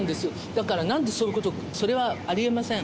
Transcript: だから、なんでそういうこと、それはありえません。